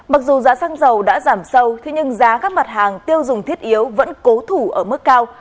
mặc dù giá xăng dầu đã giảm sâu nhưng giá các mặt hàng tiêu dùng thiết yếu vẫn cố thủ ở mức cao